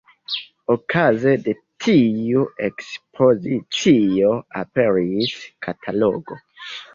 Okaze de tiu ekspozicio aperis katalogo.